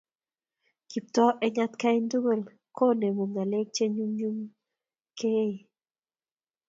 Kiptoo eng atkai tugul, koonemu ng'alek che nyumnyumen keguiyo